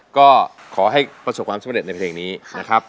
ก็ขอให้ประสบความสำเร็จในเพลงนี้นะครับ